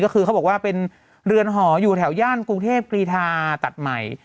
ก็คือเขาบอกว่าเป็นเรือนหออยู่แถวย่านกรุงเทพกรีธาตัดใหม่